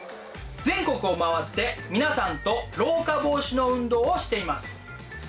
全国を回って皆さんと老化防止の運動をしています。